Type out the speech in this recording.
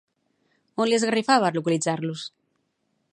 On li esgarrifava localitzar-los?